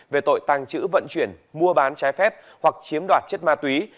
về tội tàng trữ vận chuyển mua bán trái phép hoặc chiếm đoạt chất ma túy